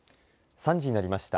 ３時になりました。